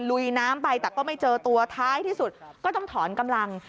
ลุยน้ำไปแต่ก็ไม่เจอตัวท้ายที่สุดก็ต้องถอนกำลัง